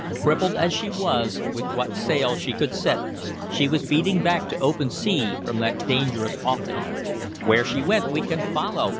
Crippled as she was, with what sail she could set, she was beating back to open sea from that dangerous offing. "Where she went we can follow!"